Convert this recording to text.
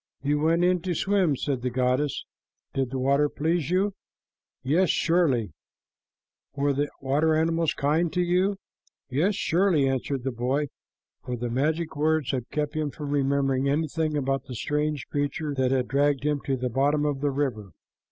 "You went in to swim," said the goddess. "Did the water please you?" "Yes, surely." "Were the water animals kind to you?" "Yes, surely," answered the boy, for the magic words had kept him from remembering anything about the strange creature that had dragged him to the bottom of the river.